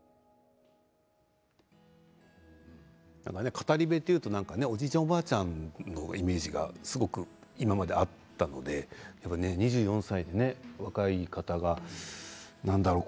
語り部というとおじいちゃん、おばあちゃんのイメージがすごく今まであったので２４歳で、若い方が何だろう。